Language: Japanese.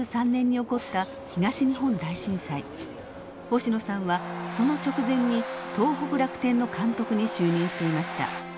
星野さんはその直前に東北楽天の監督に就任していました。